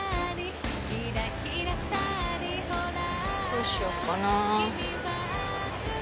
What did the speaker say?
どうしようかな。